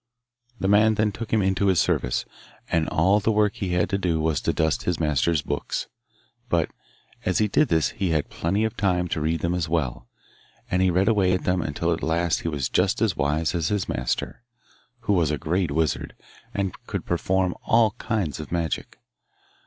The man then took him into his service, and all the work he had to do was to dust his master's books. But as he did this he had plenty of time to read them as well, and he read away at them until at last he was just as wise as his master who was a great wizard and could perform all kinds of magic.